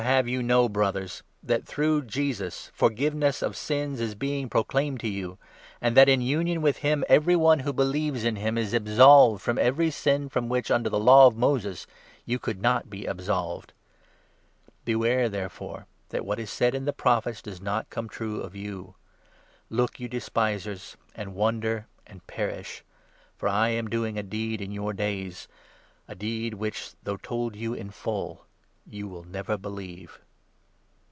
have you know, Brothers, that through Jesus forgiveness of sins is being proclaimed to you, and that, in union with him, 39 every one who believes in him is absolved from every sin from which under the Law of Moses you could not be absolved. Beware, therefore, that what is said in the Prophets does not 40 come true of you — 4 Look, you despisers, and wonder, and perish ; 41 For I am doing" a deed in your days — A deed which, though told you in full, you will never believe